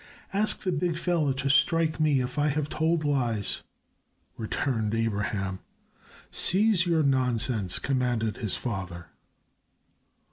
"Ask the big fellow to strike me if I have told lies," returned Abraham. "Cease your nonsense," commanded his father.